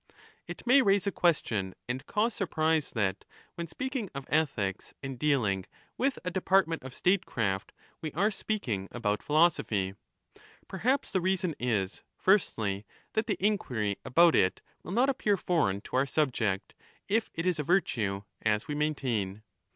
It may raise a question and cause surprise that, when speaking of ethics and dealing with a department of state craft, we are speaking about philosophy. Perhaps the reason is, firstly, that the inquiry about it will not appear 30 foreign to our subject, if it is a virtue, as we maintain.